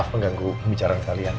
maaf mengganggu bicaranya kalian